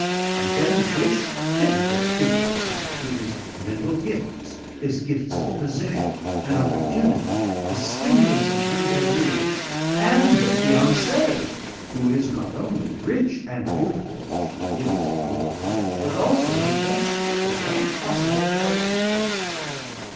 And then this pitiful creature comes, with his mental gifts, his gifts of position and opportunity, the stimulus of great ideas, and a fiancée, who is not only rich and beautiful she is beautiful! but also the best of all possible helpers for him.